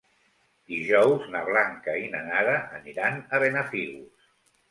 Dijous na Blanca i na Nara aniran a Benafigos.